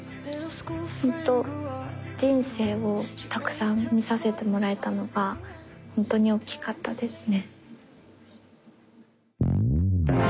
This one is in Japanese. ほんと人生をたくさん見させてもらえたのがほんとにおっきかったですね。